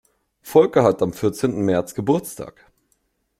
Volker hat am vierzehnten März Geburtstag.